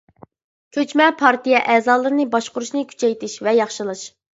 كۆچمە پارتىيە ئەزالىرىنى باشقۇرۇشنى كۈچەيتىش ۋە ياخشىلاش.